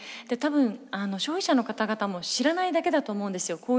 で多分消費者の方々も知らないだけだと思うんですよ。